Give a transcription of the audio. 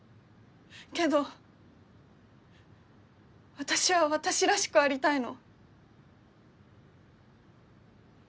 けど私は私らしくありたいの。